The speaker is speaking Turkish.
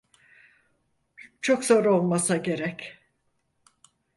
Çok zor olmasa gerek.